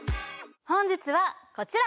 本日はこちら！